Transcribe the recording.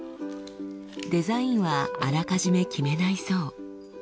デザインはあらかじめ決めないそう。